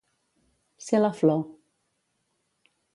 Ser la flor.